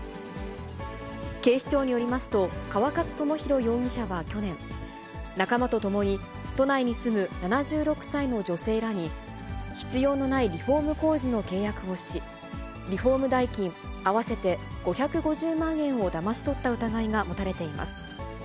警視庁によりますと、川勝智弘容疑者は去年、仲間と共に、都内に住む７６歳の女性らに、必要のないリフォーム工事の契約をし、リフォーム代金合わせて５５０万円をだまし取った疑いが持たれています。